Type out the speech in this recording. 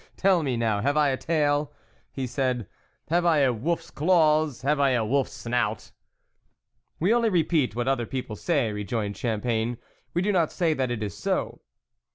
"Tell me, now, have I a tail ?" he said, " have I a wolf's claws, have I a wolfs snout ?"" We only repeat what other people say," rejoined Champagne, " we do not say that it is so."